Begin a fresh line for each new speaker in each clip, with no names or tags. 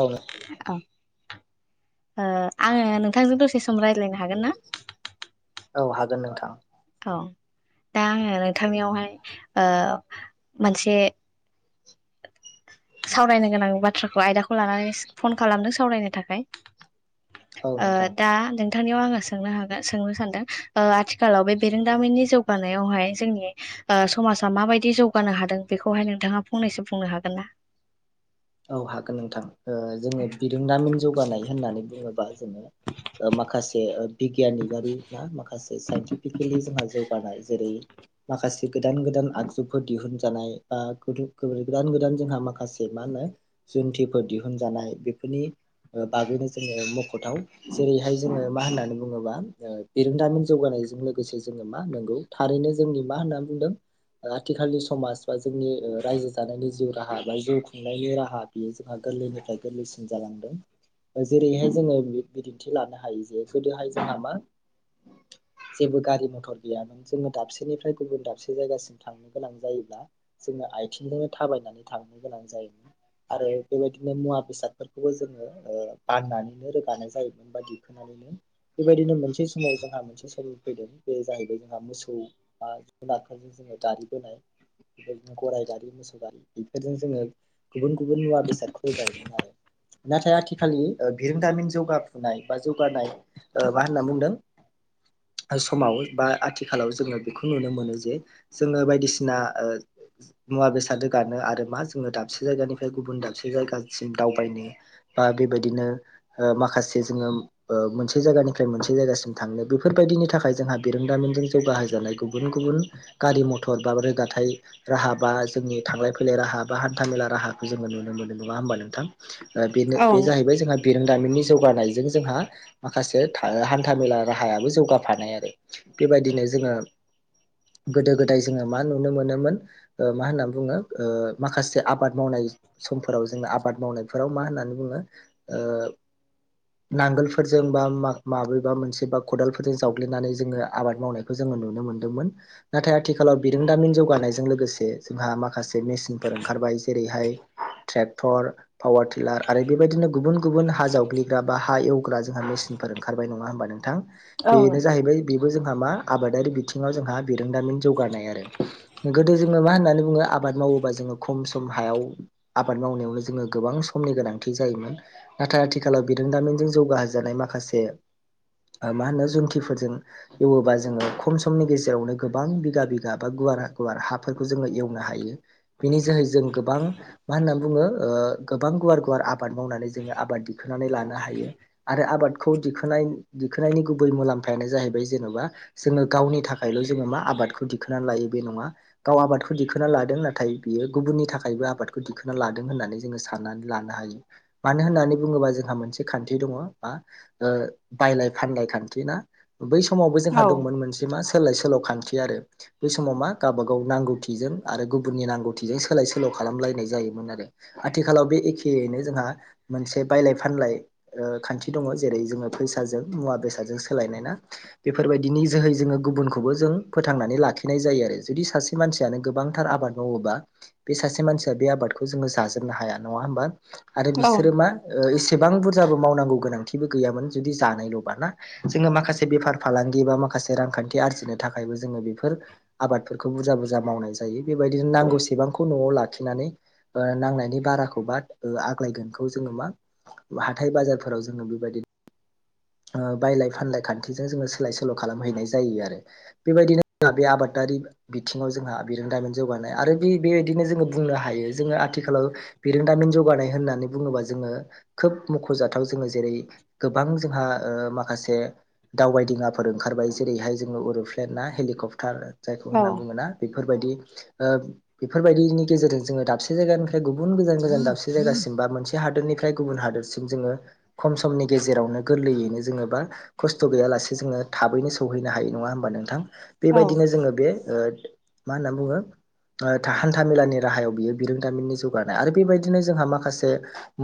औ
औ ओ आङो नोंथांजों दसे सम रायज्लायनो हागोन ना
औ हागोन नोंथां
औ दा आङो नोंथांनियावहाय ओ मोनसे सावरायनो गोनां बाथ्राखौ आयदाखौ लानानै फन खालामदों सावरायनो थाखाय
औ
ओ
नोंथां
दा नों थांनिआव आङो सोंनो हागोन सोंनो सानदों आथिखालाव बे बिरोंदामिननि जौगानायावहाय जोंनि ओ समाजा माबायदि जौगानो हादों बेखौहाय नोंथाङा फंनैसो बुंनो हागोन ना
औ हागोन नोंथां ओ जोङो बिरोंदामिन जौगानाय होननानै बुङोबा जोङो ओ माखासे बिगियानिकआरि ना माखासे साइन्टिफिकेलि जोंहा जौगानाय जेरै माखासे गोदान गोदान आगजुफोर दिहुनजानाय बा [unintelligible] गोदान गोदान जोंहा माखासे मा होनो जुन्थिफोर दिहुनजानाय बेफोरनि बागैनो जोङो मखथाव जेरैहाय जोङो मा होननानै बुङोबा बिरोंदामिन जौगानाय जों लोगोसे जोङो मा नोंगौ थारैनो जोंनि मा होननानै बुंदों ओ आथिखालनि समाज बा जोंनि ओ रायजो जानायनि जिउ राहा बा जिउ खुंनायनि राहा हा बियो जोंहा गोरलैनिफ्राय गोरलैसिन जालांदों जेरैहाय जोङो बिदिन्थि लानो हायो जे गोदोहाय जोंहा मा जेबो गारि मथर गैयामोन जोङो दाबसेनिफ्राय गुबुन दाबसे जायगासिम थांनो गोनां जायोब्ला जोङो आथिंजोंनो थाबायनानै थांनो गोनां जायोमोन आरो बेबायदिनो मुवा बेसादफोरखौबो जोङो ओ बाननानैनो रोगानाय जायोमोन बायदि खोन [unintelligible] बेबायदिनो मोनसे समाव जोंहा मोनसे सर फैदों बे जाहैबाय जोंहा मोसौ बा जुनारफोरजों जों गारि बोनाय बेदिनो गराइ गारि मोसौ गारि बेफोरजों जोङो गुबुन गुबुन मुवा बेसादखौ गायहोनानै नाथाय आथिखालनि ओ बिरोंदामिन जौगाफुनाय बा जौगानाय ओ मा होनना बुंदों समाव बा आथिखालाव जोङो बेखौ नुनो मोनो जे जोङो बायदिसिना ओ मुवा बेसाद रोगानो आरो मा जोङो दाब दाबसे जायगानिफ्राय गुबुन दाबसे जायगासिम दावबायनो बा बेबायदिनो ओ माखासे जोङो ओ मोनसे जायगानिफ्राय मोनसे जायगासिम थांनो बेफोरबायदिनि थाखाय जोंहा बिरोंदामिनजों जौगाहोजानाय गुबुन गुबुन गुबुन गारि मथर बा रोगाथाइ राहा बा जोंनि थांलाय फैलाय राहा बा हान हान्था मेला राहाखौ जोङो नुनो मोनो नङा होमबा नोंथां ओ बेनो बे जाहैबाय जोंहा बिरों दामिननि जौगानायजों जोंहा माखासे हान्था मेला राहायाबो जौगाफानाय आरो बेबायदिनो जोङो गोदो गोदाय जोङो मा नुनो मोनोमोन ओ मा होनना बुङो माखासे आबाद मावनाय समफोराव जोंङो आबाद मावनायफोराव मा होननानै बुङो ओ नांगोलफोरजों बा माबेबा मोनसे बा खदालफोरजों जावग्लिनानै जोङो आबाद मावनायखौ जों नुनो मोनदोंमोन नाथाय आथिखालाव बिरोंदामिन जौगानायजों लोगोसे जोंहा माखासे मेसिन फोर ओंखारबाय जेरैहाय ट्रेक्टर पावार टिलार आरो बेबायदिनो गुबुन गुबुन हा जावग्लिग्रा बा हा एवग्रा जोंहा मेसिन फोर ओंखारबाय नङा होमबा नोंथां
औ
बेनो जाहैबाय बे बो जोंहा मा आबादारि बिथिङाव जोंहा बिरोंदामिन जौगानाय आरो गोदो जोङो मा होननानै बुङो आबाद मावोबा जोङो खम सम हायाव आबाद मावनायावनो जोङो गोबां समनि गोनांथि जायोमोन नाथाय आथिखालाव बिरों दामिनजों जौगाहोजानाय माखासे ओ मा होनो जुनथिफोरजों एवोबा जोङो खम समनि गेजेरावनो गोबां बिघा बिघा बा गु गुवार गुवार हाफोरखौ जोङो एवनो हायो बिनि जोहै जों गोबां मा होनना बुङो ओ गोबां गुवार गुवार आबाद मावनानै जोङो आबाद दिखोना नै लानो हायो आरो आबादखौ दिखोनाय दिखोनायनि गुबै मुलाम्फायानो जाहैबाय जेनबा जोङो गावनि थाखायल जोङो मा आबादखौ दिखोनानै लायो बे नङा गाव आबादखौ दिखोना लादों नाथाय बियो गुबुननि थाखायबो आबादखौ दिखांना लादों होननानै जोङो साननानै लानो हायो मानो होननानै बुङोबा जों मोनसे खान्थि दङ बा ओ बायलाय फानलाय खान्थि ना बै समावबो जोंहा
औ
दंमोन मोनसे मा सोलाय सोल खान्थि आरो बे समाव मा गावबा गाव नांगौथिजों आरो गुबुननि नांगौ थिजों सोलाय सोल खालामलायनाय जायोमोन आरो आथिखालाव बे एखयैनो जोंहा मोनसे बायलाय फान लाय ओ खान्थि दङ जेरै जोङो फैसाजों मुवा बेसादजों सोलायनाय ना बेफोरबायदिनि जो जोहै जोङो गुबुनखौबो जों फोथांनानै लाखिनाय जायो आरो जुदि सासे मानसियानो गोबांथार आबाद मावोबा बे सासे मानसिया बे आबादखौ जोङो जाजोबनो हाया नङा होमबा आरो
औ
बिसोरो मा ओ एस सेबां बुरजाबो मावनांगौ गोनांथिबो गैयामोन जुदि जानायलबा ना जोङो माखासे बेफार फालांगि बा माख खासे रांखान्थि आरजिनो थाखायबो जोङो बेफोर आबादफोरखौ बुरजा बुरजा मावनाय जायो बेबायदिनो नांगौ सेबांखौ नआव लाखिनानै ओ नांनायनि बाराखौ बा आग्लायगोनखौ जोङो मा हाथाय बाजारफोराव जोङो बेबायदि ओ बायलाय फानलाय खान्थिजों जोङो सोलाय सोल खालामहैनाय जायो आरो बेबायदिनो बे आबादा बिथिङाव जोंहा बिरोंदामिन जौगानाय आरो बि बेबायदिनो जोङो बुंनो हायो जोङो आथिखालाव बिरोंदामिन जौगानाय होननानै बुङोबा जोङो खोब मखजाथाव जोङो जेरै गोबां जोंहा ओ माखासे दावबायदिङाफोर ओंखारबाय जेरैहाय जोङो उरुप्लेन ना हेलिकप्टार जायखौ
औ
होन्ना बुङोना बे फोरबायदि ओ बेफोरबायदिनि गेजेरजों जोङो दाबसे जायगानिफ्राय गुबुन गोजान गोजान दाबसे जायगासिम बा मोनसे हादोरनिफ्राय गुबुन हादोरसिम जोङो खम समनि गेजेरावनो गोरलैयै नो जोङो बा खस्थ गैयालासे जोङो थाबैनो सौहैनो हायो नङा होमबा नोंथां
औ
बेबायदिनो जोङो बे मा होननानै बुङो ओ था हान्थामेलानि राहायाव बियो बिरोंदामिननि जौगानाय आरो बेबायदिनो जोंहा माखासे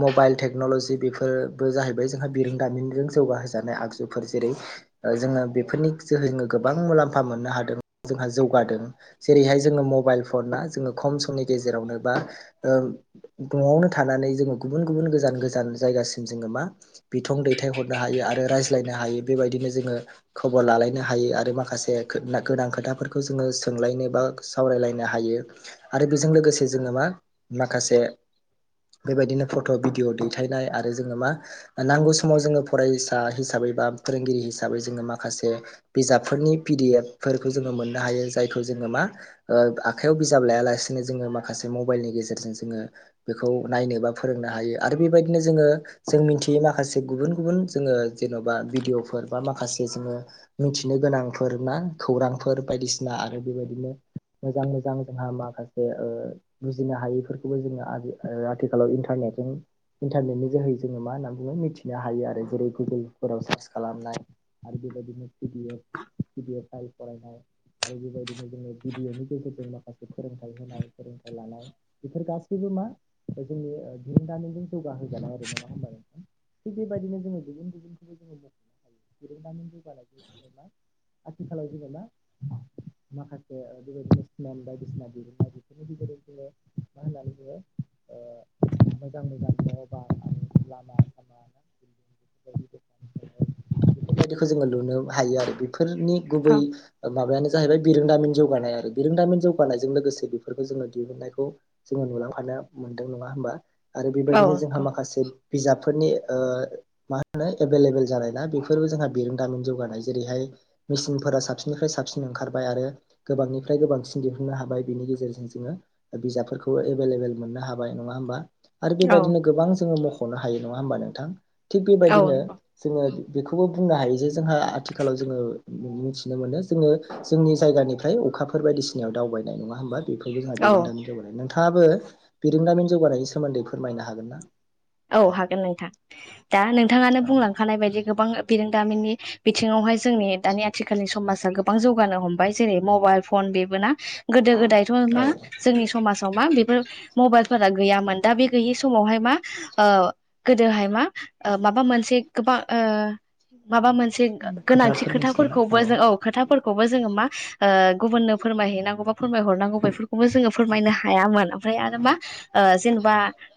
मबाइल टेक्नलजि बेफोरबो जाहैबाय जोंहा बिरोंदामिनजों जौगा होजानाय आगजुफोर जेरै जोङो बेफोरनि जोहैनो गोबां मुलाम्फा मोननो हादों जोंहा जौगादों जेरैहाय जोङो मबाइल फना जोङो खम समनि गेजेरावनो बा नआवनो थानानै जोङो गुबुन गुबुन गोजान गोजान जायगासिम जोङो मा बिं दैथायहर नों हायो आरो रायज्लायनो हायो बेबायदिनो जोङो खबर लालायनो हायो आरो माखासे गो गोनां खोथा ओ फोरखौ जोङो सोंलायनो बा सावरायलायनो हायो आरो बेजों लोगोसे जोङो मा माखास से बेबायदिनो फट भिडिअ दैथायनाय आरो जोङो मा नांगौ समाव जोङो फरायसा हिसाबै बा फोरोंगिरि हिसाबै जोङो माखासे बिजाबफोरनि पि डि एफ फोरखौ जोङो मोननो हायो जायखौ जोङो मा ओ आखायाव बिजाब लाया लासिनो जोङो माखासे मबाइलनि गेजेरजों जों ओ बेखौ नायनो बा फोरोंनो हायो आरो बेबायदिनो जोङो जों मिथियै माखासे गुबुन गुबुन जोङो जेनबा भिडिअफोर बा माखासे जोङो मिथिनो गोनांफोर ना खौरांफोर बायदिसिना आरो बेबायदिनो मोजां मोजां जोंहा माखासे ओ बुजिनो हायैफोरखौबो जोङो आथि आथिखालाव इन्टारनेट जों इन्टारनेटनि जोहै जोङो मा होनना बुङो मिथिनो हायो आरो जेरै गुगोलफोराव सार्च खालामनाय आरो बेबायदिनो P D F P D F आरि फायरायनाय आरो बेबायदिनो जोङो भिडिअनि गेजेरजों माखासे फोरोंथाइ होनाय फोरोंथाइ लानाय बेफोर गासैबो मा बे जोंनि ओ बिरोंदामिननजों जौगाहोगानाय आरो नङा होमबा नोंथां थिग बेबायदिनो जोङो गुबुन गुबुनखौबो जोङो [inaudible] मा आथिखालाव जेनेबा माखासे ओ बेबायदि [inaudible] बायदिसिना बिफोर जोङो मा होननानै बुङो ओ मोजां मोजां न बा आरो लामा सामा ना [inaudible] बेबायदिखौ जोङो लुनो हायो आरो बेफोरनि गुबै माबायानो जाहैबाय बिरोंदामिन जौगानाय आरो बिरोंदामिन जौगानायजों लोगोसे बेफोरखौ जोङो दिहुननायखौ जोङो नुलांफानो नुदों नङा होनबा आरो
औ
बेबायदिनो जोंहा
नंगौ
माखासे बिजाबफोरनि ओ मा एभेलेबेल जानाय ना बेफोरबो जोंहा बेरोंदामिन जौगानाय जेरैहाय मेसिनफोरा साबसिननिफ्राय साबसिन ओंखारबाय आरो गोबांनिफ्राय गोबांसिन दिहुननो हाबाय बिनि गेजेरजों जोङो बिजाबफोरखौ एभेलेबेल लोगो मोननो हाबाय नङा होमबा आरो
औ
बेबायदिनो गोबां जोङो मख'नो हायो नङा होमबा नोंथां थिग बेबायदिनो जोङो बेखौबो बुंनो हायो जे जोंहा आथिखालाव जोङो मिथिनो मोनो जोङो जोंनि जायगानिफ्राय अखाफोर बायसिनायाव दावबायनाय नङा होमबा? बेफोरबो जोंहा
औ
बिरोंदामिन जौगानाय नोंथाङाबो बिरोंदामिन जौगानायनि सोमोन्दै फोरमायनो हागोन ना।
औ हागोन नोंथां दा नोंथाङानो बुंलांखानाय बायदि गोबां बिरों दामिननि बिथिङावहाय जोंनि दानि आथिखालनि समाजा गोबां जौगानो हमबाय जेरै मबाइल फन बेबो ना। गोदो गोदायथ'
औ
मा जोंनि समाज माव मा बेफोर मबाइलफोरा गैयामोन दा बे गैयै समावहाय मा। ओ गोदोहाय मा माबा मोनसे गोबा ओ माबा मोनसे गो-गोनांथि
खोथाफोर मिथिगोन ना
खोथाफोरखौबो जों औ खोथाफोरखौबो जोङो मा ओ गुबुननो फोरमायहैनांगौ बा फोरमायहरनांगौ बेफोरखौबो जोङो फोरमायनो हायामोन। आमफ्राय आरो मा जेनेबा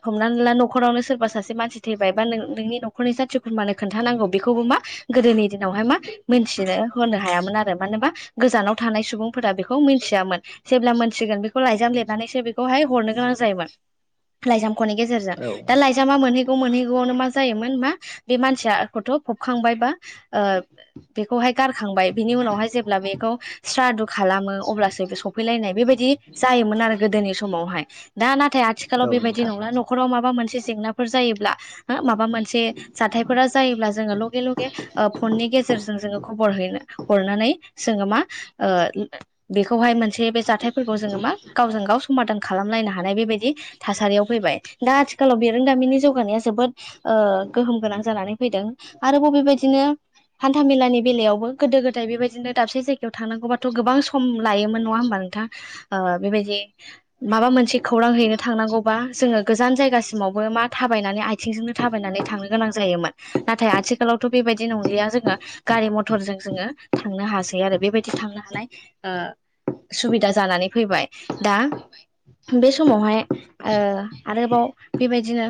हमनानै ला न'खरावनो सोरबा सासे मानसि थैबाय बा नों नोंनि न'खरनि जाथि खुरमानो खोन्थानांगौ बेखौबो मा गोदोनि दिनावहाय मा मोनथिनो होनो हायामोन आरो मानोबा गोजानाव थानाय सुबुंफोरा बेखौ मिनथियामोन। जेब्ला मोनथिगोन बेखौ लाइजाम लिरनानैसो बेखौहाय हरनो गोनां जायोमोन लाइजाम ख'नि गेजेरजों
औ
मा मोनहैगौ मोनहैगौआवनो मा जायोमोन मा बे मानसिया थ' फबखांबाय बा ओ बेखौहाय खांबाय बिनि उनावहाय जेब्ला बेखौ स्रादु खालामो अब्लासो बे सफैलायनाय बेबायदि जायोमोन ना आरो गोदोनि समावहाय दा नाथाय आथिखालाव बेबायदि
नोंथां
नंला नखराव माबा मोनसे जेंनाफोर जायोब्ला हो माबा मोनसे जाथायफोरा जायोब्ला जोङो लगे लगे ओ फननि गे जेरजों जोङो कबर हरनानै जोङो मा ओ बेखौहाय मोन से बे जाथायफोरखौ जोङो मा गावजों गाव स समादान खालामलायनो हानाय बेबायदि थासारियाव फैबाय दा आथिखालाव बे रोंदामिनि जौगानाया जोबोद ओ गोहोम गोनां जानानै फैदों आरोबाव बेबायदिनो हान्थाामेलानि बेलायावबो गोदो गोदाय बेबायदिनो दाबसे जायगायाव थांनांगौबाथ' गोबां सम लायोमोन नङा होमबा नोंथां बेबायदि माबा मोनसे खौरां हैनो थांनांगौबा जोङो गोजान जायगासिम मावबो मा थाबायनानै आइथिंजोंनो थाबायनानै थांनो गोनां जायोमोन नाथाय आथिखालावथ' बेबायदि नंलिया जोङो गारि मथरजों जोङो थांनो हासै आरो बेबायदि थांनो हानाय ओ सुबिदा जानानै फैबाय दा बे समावहाय ओ आरोबाव बेबायदिनो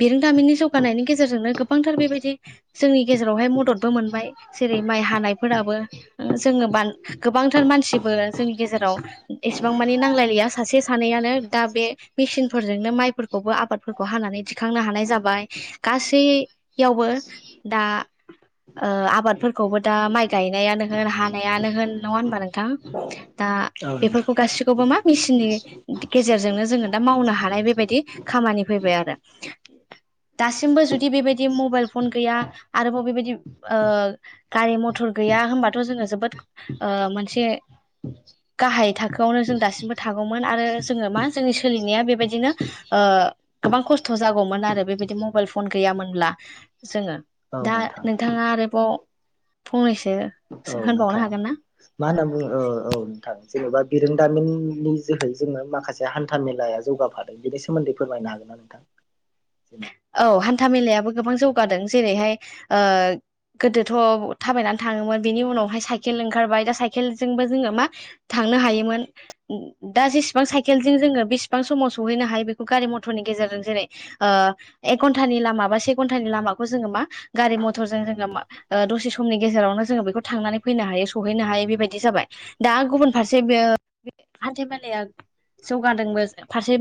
बिरोंदामिननि जौगानायनि गेजेरजोंनो गोबांथार बेबायदि जोंनि गेजेरावहाय मददबो मोनबाय जे रै माइ हानायफोराबो जोङो गोबांथार मानसिबो जोंनि गेजेराव एसेबां गौबांमानि नांलायलिया सासे सानैयानो दा बे मेसिनफोरजोंनो माइ खौबो आबादफोरखौ हानानै दिखांनो हानाय जाबाय गासैयावबो दा ओ आबादफोरखौबो दा माइ गायनायानो होन हानायानो होन नङा होनबा नोंथां। दा
औ नोंथां
बेफोरखौ गासिखौबो मा मेसिननि गेजेरजोंनो जोङो दा मावनो हानाय बेबायदि खामानि फैबाय आरो दासिमबो जुदि बेबायदि मबाइल फन गैया आरोबाव बेबायदि ओ गारि मथर गैया होमबाथ' जोङो जोबोद ओ मोनसे गाहाय थाखोआवनो जों दासिमबो थागौमोन आरो जोङो मा जोंनि सोलिनाया बेबायदिनो ओ गोबां खस्थ' जागौमोन आरो बेबायदि मबाइल फन गैयामोनब्ला जोङो।
औ
दा
नोंथां
नोंथाङा आरोबाव फंनैसो
औ
होनबावनो
नोंथां
हागोन ना
मा होनना बुङो ओ औ नोंथां जेनबा बिरोंदामिननि जोहै जोङो माखासे हान्था मेलाया जौगाफादों बेनि सोमोन्दै फोरमायनो हागोन? नोंथां।
औ हान्था मेलायाबो गोबां जौगादों जेरैहाय ओ गोदोथ' थाबायनानै थाङोमोन बेनि उनावहाय साइकेल ओंखारबाय दा साइकेलजोंबो जोङो मा था नो हायोमोन दा जेसेबां साइकेलजों जोङो बेसेबां समाव सहैनो हायो बेखौ गारि मथरनि गेजेर रजों जेरै ओ एक घन्टानि लामा बा से घन्टानि लामाखौ जोङो मा गारि मथर जों जोङो मा ओ दसे समनि गेजेरावनो जोङो बेखौ थांनानै फैनो हायो सहैनो हायो बेबायदि जाबाय दा गुबुन फारसे बे ओ हाथाय बाजार जौगादोंबो फारसे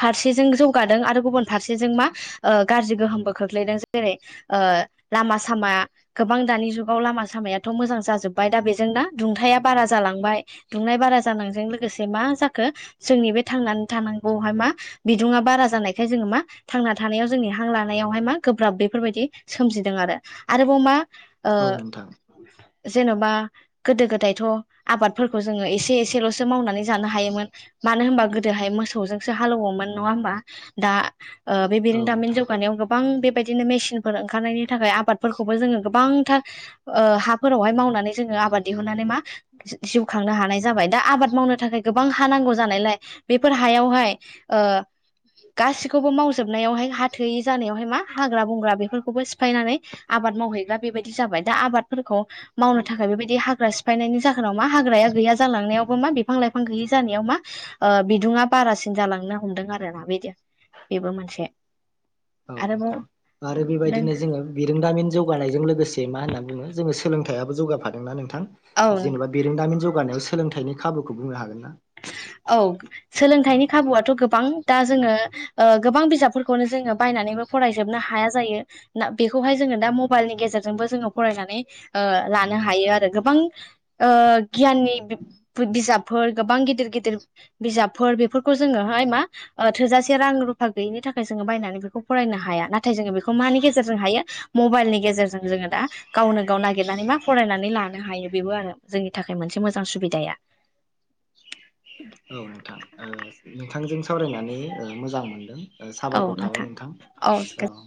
फारसेजों जौगादों आरो गुबुन फारसेजों मा ओ गाज्रि गोहोमबो खोख्लैदों जेरै ओ लामा सामा गोबां दानि जुगाव लामा सामा। -याथ मोजां जाजोबबाय दा बेजों दा दुंथाया बारा जालांबाय दुंनाय बारा जानायजों लोगोसे मा। जोंनि बे थांनानै थानांगौहाय मा बिदुङा बारा जानायखाय जों मा थांना थानायाव जोंनि हां लानायावहाय मा गोब्राब बेफोरबायदि सोमजिदों आरो आरोबाव मा ओ।
औ नोंथां
जेन'बा गोदो गोदायथ' आबादफोरखौ जोङो एसे एसेल'सो मावनानै जानो हायोमोन मानो होनोबा गोदोहाय मोसौजोंसो हालौवोमोन नङा होमबा दा। ओ बे
औ
बिरोंदामिन
नोंथां
जौगानायाव गोबां बे बादिनो मेसिनफोर ओंखारनायनि थाखाय आबादफोरखौबो जोङो गोबांथार ओ हाफोरावहाय मावनानै जोङो आबाद दिहुननानै मा जिउ खांनो हानाय जाबाय दा आबाद मावनो थाखाय गोबां हा नांगौ जानायलाय बेफोर हायावहाय ओ गासिखौबो मावजो -जोबनायावहाय हाथोयै जानायावहाय मा हाग्रा बंग्रा बेफोरखौबो सिफायनानै आबाद मावहैग्रा बेबायदि जाबाय। दा आबादफोरखौ मावनो थाखाय बेबायदि हाग्रा -फायनायनि जाहोनाव मा हाग्राया गैया जालांनायावबो मा बिफां लाइफां गैयै जानायाव मा बिदुङा बारा सिन जालांनो हमदों आरोना बेदि बेबो मोनसे।
औ नोंथां
आरोबाव
आरो
नों
बेबायदिनो जोङो बिरोंदामिन जौगानायजों लोगोसे मा होनना बुङो जोङो। सोलोंथाइयाबो जौगाफादोंना नोंथां
औ
जेन'बा बिरोंदामिन जौगानायाव सोलोंथाइनि खाबुखौ बुंनो हागोन ना।
औ
औ
सोलोंथाइनि खाबुआथ' गोबां दा जोङो गोबां बिजाबफोरखौनो जोङो बायनानैबो फरायजोबनो हाया जायो ना बेखौहाय जों दा मबाइलनि गेजेरजोंबो जोङो फरायनानै ओ लानो हायो आरो गोबां ओ गियाननि बिजाबफोर गोबां गिदिर गिदिर बिजाबफोर बेफोरखौ जोङो हाय मा थोजासे रां रुफा गैयिनि थाखाय जोङो बायनानै बेखौ फरायनो हाया नाथाय जोङो बेखौ मानि गेजेरजों हायो मबाइलनि गेजेरजों जोङो दा गावनो गाव नागिरनानै मा फरायनानै लानो हायो बेबो आरो जोंनि थाखाय मोनसे मोजां सुबिदाया।
[inaudible] औ नोंथां ओ नोंथांजों सावरायनानै ओ मोजां मोनदों। ओ साबायखर थाबाय नोंथां औ।